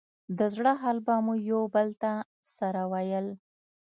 د زړه حال به مو يو بل ته سره ويل.